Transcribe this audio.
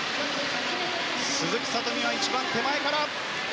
鈴木聡美は一番手前から。